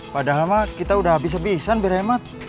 padahal mak kita udah habis habisan beremat